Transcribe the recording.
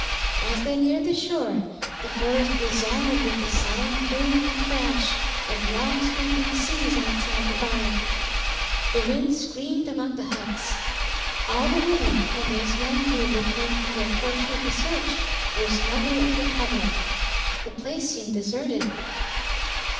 As they neared the shore, the forest resounded with the solemn boom and crash of long sweeping seas outside the bar; the wind screamed among the huts; all the women and those men who had returned from their portion of the search were snugly under cover. The place seemed deserted.